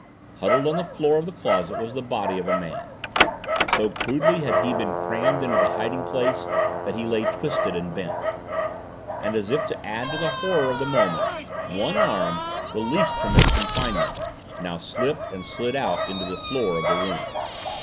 Huddled on the floor of the closet was the body of a man. So crudely had he been crammed into this hiding place that he lay twisted and bent. And as if to add to the horror of the moment one arm, released from its confinement, now slipped and slid out into the floor of the room.